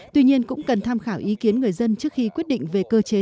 tuy nhiên cũng cần tham khảo ý kiến người dân trước khi quyết định về cơ chế